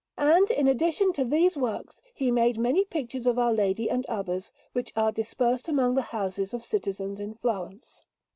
And, in addition to these works, he made many pictures of Our Lady and others, which are dispersed among the houses of citizens in Florence.